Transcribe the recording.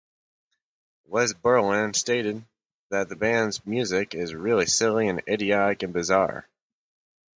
Wes Borland stated that the band's music is really silly and idiotic and bizarre.